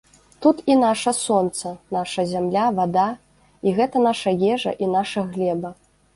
Тут і наша сонца, наша зямля, вада, і гэта наша ежа і наша глеба.